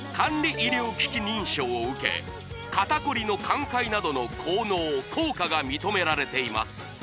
医療機器認証を受け肩こりの緩解などの効能効果が認められています